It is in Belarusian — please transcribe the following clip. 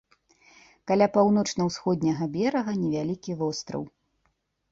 Каля паўночна-ўсходняга берага невялікі востраў.